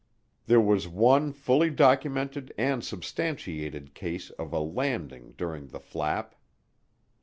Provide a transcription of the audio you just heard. There was one fully documented and substantiated case of a "landing" during the flap.